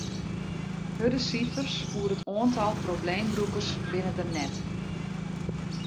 Hurde sifers oer it oantal probleembrûkers binne der net.